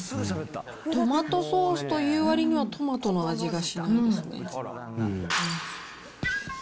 トマトソースというわりには、トマトの味がしないですね。